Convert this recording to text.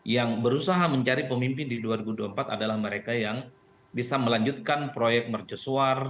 yang berusaha mencari pemimpin di dua ribu dua puluh empat adalah mereka yang bisa melanjutkan proyek mercusuar